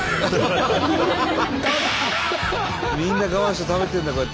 みんな我慢して食べてるんだこうやって。